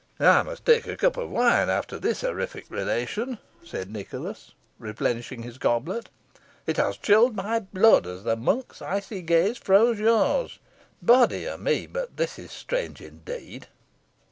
"I must take a cup of wine after this horrific relation," said Nicholas, replenishing his goblet. "It has chilled my blood, as the monk's icy gaze froze yours. Body o' me! but this is strange indeed.